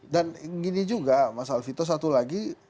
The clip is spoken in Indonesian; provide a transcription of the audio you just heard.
dan gini juga mas alvito satu lagi